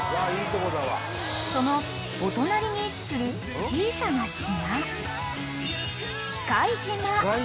［そのお隣に位置する小さな島］